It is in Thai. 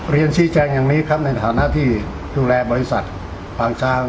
เรียนชี้แจงอย่างนี้ครับในฐานะที่ดูแลบริษัทปางช้าง